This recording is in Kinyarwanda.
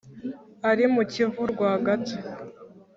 ari mu kivu rwagati)